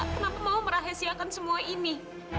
kenapa mau merahasiakan semua ini